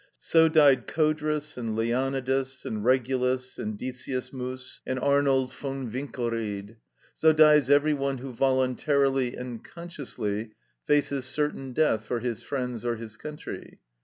So died Codrus, and Leonidas, and Regulus, and Decius Mus, and Arnold von Winkelried; so dies every one who voluntarily and consciously faces certain death for his friends or his country.